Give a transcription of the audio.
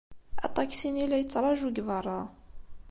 Aṭaksi-nni la yettṛaju deg beṛṛa.